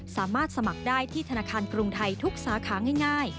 สามารถสมัครได้ที่ธนาคารกรุงไทยทุกสาขาง่าย